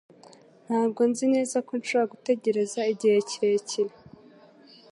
Ntabwo nzi neza ko nshobora gutegereza igihe kirekire